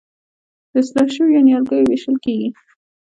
د اصلاح شویو نیالګیو ویشل کیږي.